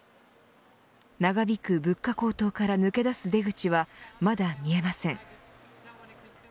長引く物価高騰から抜け出す出口はまだ見えません。